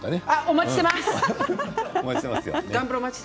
お待ちしていますよ。